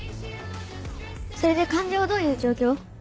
それで患者はどういう状況？